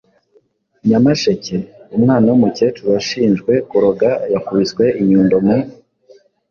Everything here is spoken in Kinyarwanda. Nyamasheke: Umwana w’umukecuru washinjwe kuroga yakubiswe inyundo mu